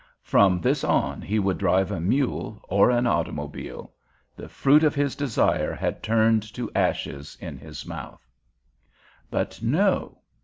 From this on he would drive a mule or an automobile. The fruit of his desire had turned to ashes in his mouth. But no.